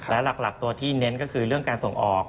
และหลักตัวที่เน้นก็คือเรื่องการส่งออก